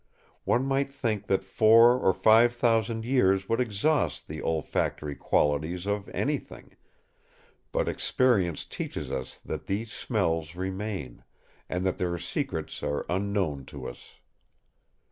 One might think that four or five thousand years would exhaust the olfactory qualities of anything; but experience teaches us that these smells remain, and that their secrets are unknown to us.